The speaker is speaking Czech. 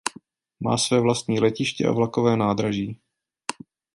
Má své vlastní letiště a vlakové nádraží.